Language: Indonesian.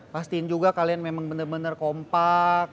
pastiin juga kalian memang bener bener kompak